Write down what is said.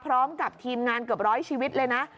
พร้อมกับทีมงานเกือบร้อยชีวิตเลยนะ